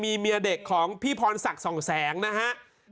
มีเมียเด็กของพี่พรศักดิ์ส่องแสงนะฮะ